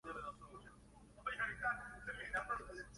Este acto de bondad restaura su habilidad para hablar.